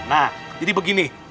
nah jadi begini